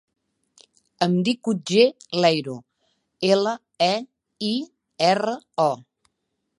Em dic Otger Leiro: ela, e, i, erra, o.